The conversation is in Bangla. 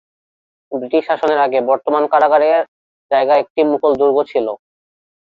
ব্রিটিশ শাসনের আগে বর্তমান কারাগারের জায়গায় একটি মুঘল দুর্গ ছিল।